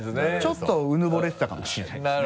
ちょっとうぬぼれてたかもしれないですね。